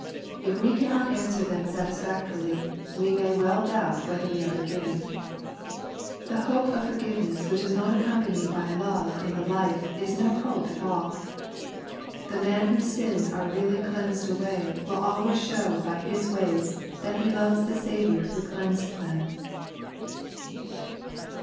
If we cannot answer them satisfactorily, we may well doubt whether we are forgiven. The hope of for giveness which is not accompanied by love in the life is no hope at all. The man whose sins are really cleansed away will always show by his ways that he loves the Saviour who cleansed them.